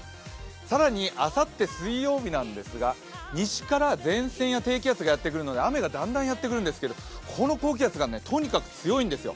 更にあさって水曜日なんですが西から前線や低気圧がやってくるので雨がだんだんやってくるんですけどこの高気圧がとにかく強いんですよ。